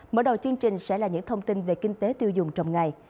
mở đầu chương trình sẽ là những thông tin về kinh tế tiêu dùng trong ngày